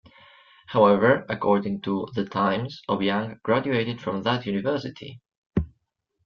However, according to "The Times", Obiang graduated from that university.